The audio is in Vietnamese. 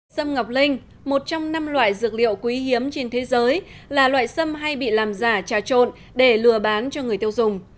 sâm ngọc linh một trong năm loại dược liệu quý hiếm trên thế giới là loại sâm hay bị làm giả trà trộn để lừa bán cho người tiêu dùng